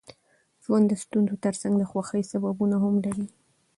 ژوند د ستونزو ترڅنګ د خوښۍ سببونه هم لري.